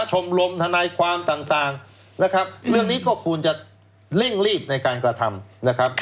ชมลมทนายความต่างเรื่องนี้ก็ควรจะเร่งรีบในการกระทำ